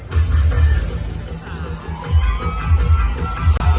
มันเป็นเมื่อไหร่แล้ว